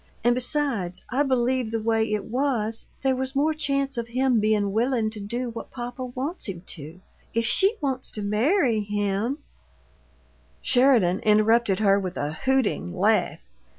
And besides, I believe the way it was, there was more chance of him bein' willin' to do what papa wants him to. If she wants to marry him " Sheridan interrupted her with a hooting laugh.